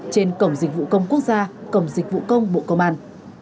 trên cổng dịch vụ công quốc gia cổng dịch vụ công bộ công an